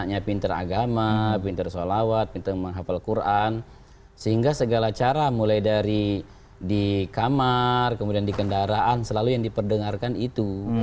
ketika berada di dunia ais wanahla dan usianya belum genap empat tahun tapi ia sudah mampu menghafal lebih dari dua puluh jenis salawat